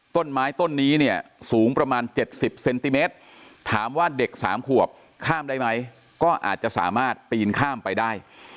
ต้นไม้ต้นนี้เนี่ยสูงประมาณ๗๐เซนติเมตรถามว่าเด็ก๓ขวบข้ามได้ไหมก็อาจจะสามารถปีนข้ามไปได้